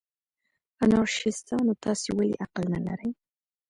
انارشیستانو، تاسې ولې عقل نه لرئ؟